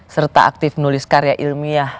serta aktif nulis karya ilmiah